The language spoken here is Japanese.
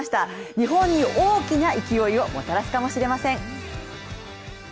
日本に大きな勢いをもたらすかもしれません。